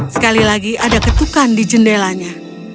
sekali lagi ada ketukan di jendelanya